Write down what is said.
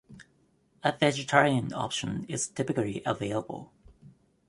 A vegetarian option is typically available.